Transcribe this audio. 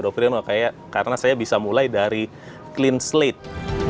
sama belakang saya bukan hendro priono kayak karena saya bisa mulai dari clean slate